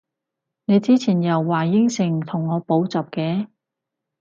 你之前又話應承同我補習嘅？